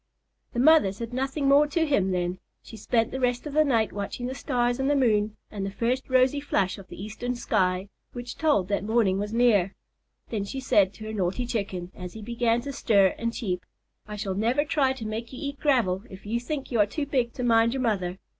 The mother said nothing more to him then. She spent the rest of the night watching the stars and the moon and the first rosy flush of the eastern sky which told that morning was near. Then she said to her naughty Chicken, as he began to stir and cheep, "I shall never try to make you eat gravel if you think you are too big to mind your mother.